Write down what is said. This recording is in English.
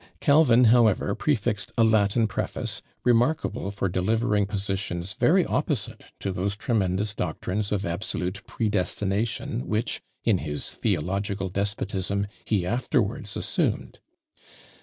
Calvin, however, prefixed a Latin preface, remarkable for delivering positions very opposite to those tremendous doctrines of absolute predestination which, in his theological despotism, he afterwards assumed.